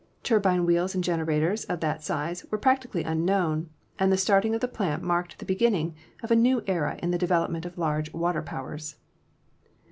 Turbine wheels and generators of that size were practically unknown, and the starting of the plant marked the beginning of a new era in the development of large water powers.